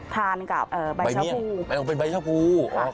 ทานกับใบชาพูเป็นใบชาพู